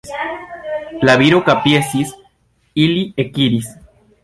La viro kapjesis, ili ekiris.